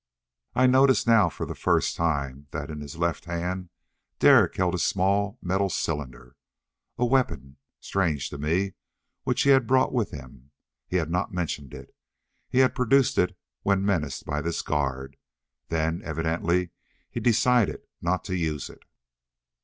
I noticed now, for the first time, that in his left hand Derek held a small metal cylinder. A weapon, strange to me, which he had brought with him. He had not mentioned it. He had produced it, when menaced by this guard. Then he evidently decided not to use it.